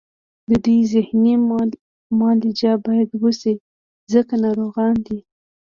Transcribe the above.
د دوی ذهني معالجه باید وشي ځکه ناروغان دي